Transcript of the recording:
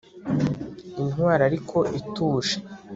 Intwari ariko ituje